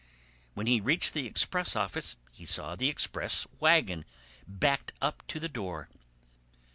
When he reached the express office he saw the express wagon backed up to the door.